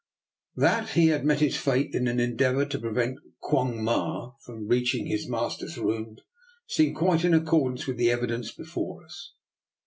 That he had met his fate in an endeavour to pre vent Quong Ma from reaching his master's room seemed quite in accordance with the evidence before us.